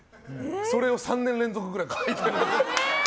それを３年連続ぐらい書いて。